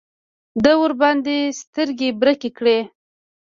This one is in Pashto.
ده ورباندې سترګې برګې کړې.